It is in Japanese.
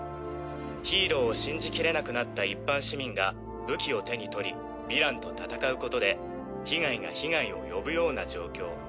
ヒーローを信じきれなくなった一般市民が武器を手に取りヴィランと戦うことで被害が被害を呼ぶような状況。